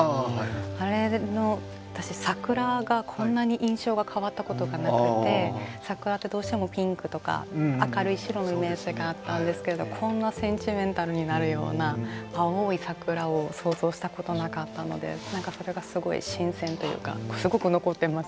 あれの私桜がこんなに印象が変わったことがなくて桜ってどうしてもピンクとか明るい白のイメージがあったんですけどこんなセンチメンタルになるような青い桜を想像したことなかったので何かそれがすごい新鮮というかすごく残ってます。